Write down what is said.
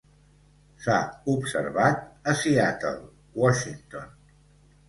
S'ha observat a Seattle, Washington.